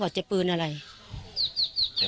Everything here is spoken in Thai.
นางศรีพรายดาเสียยุ๕๑ปี